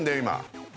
今